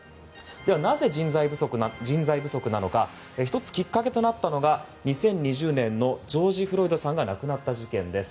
なぜ人材不足なのか１つ、きっかけとなったのが２０２０年のジョージ・フロイドさんが亡くなった事件です。